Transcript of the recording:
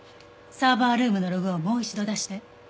サーバールームのログをもう一度出して。